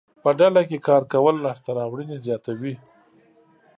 په ډله کې کار کول لاسته راوړنې زیاتوي.